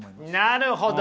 なるほど！